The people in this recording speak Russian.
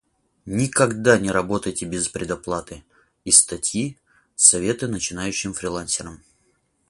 «Никогда не работай без предоплаты» — из статьи "Советы начинающим фрилансерам".